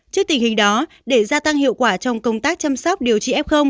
trước tình hình đó để gia tăng hiệu quả trong công tác chăm sóc điều trị f